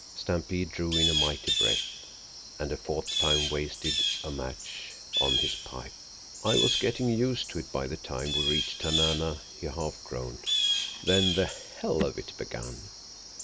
Stampede drew in a mighty breath, and a fourth time wasted a match on his pipe. "I was getting used to it by the time we reached Tanana," he half groaned. "Then the hell of it begun.